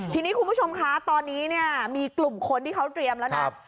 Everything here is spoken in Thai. ทีนี้คุณผู้ชมคะตอนนี้เนี่ยมีกลุ่มคนที่เขาเตรียมแล้วนะ